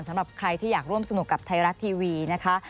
สำหรับใครที่อยากร่วมสนุกกับไทยรัฐทีวีนะคะ